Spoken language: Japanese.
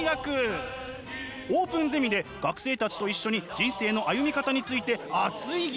オープンゼミで学生たちと一緒に人生の歩み方について熱い議論。